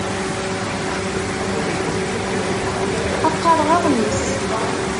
Ad qqareɣ aɣmis.